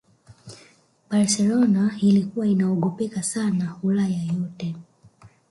Barcelona ilikuwa inaogopeka sana ulaya yote